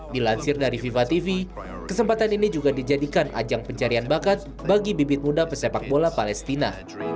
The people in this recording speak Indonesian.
dilansir dari fifa tv kesempatan ini juga dijadikan ajang pencarian bakat bagi bibit muda pesepak bola palestina